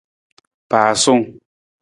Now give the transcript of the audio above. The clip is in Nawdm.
Pasung.